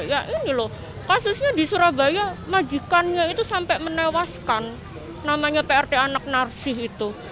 ya ini loh kasusnya di surabaya majikannya itu sampai menewaskan namanya prt anak narsih itu